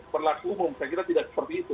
berlaku umum saya kira tidak seperti itu